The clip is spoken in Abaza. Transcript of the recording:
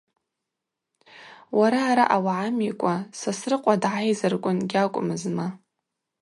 Уара араъа угӏамикӏва Сосрыкъва дгӏайзарквын гьакӏвмызма.